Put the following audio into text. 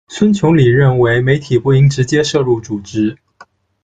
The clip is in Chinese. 孙穷理认为，媒体不应直接涉入组织。